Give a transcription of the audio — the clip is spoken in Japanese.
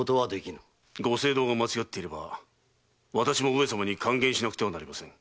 御政道が間違っていれば私も上様に諌言しなくてはなりません。